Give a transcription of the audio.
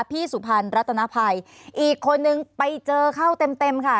พี่สุภัณฑ์รัตนภัยอีกคนหนึ่งไปเจอเข้าเต็มค่ะ